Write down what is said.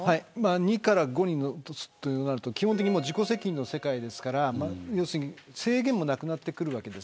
２から５に落とすとなると基本的に自己責任の世界ですから制限もなくなってくるわけです。